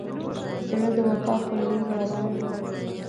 زړه د وفا پر لور روان وي.